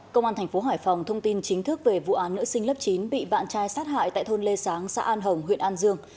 công an thành phố hải phòng thông tin chính thức về vụ án nữ sinh lớp chín bị bạn trai sát hại tại thôn lê sáng xã an hồng huyện an dương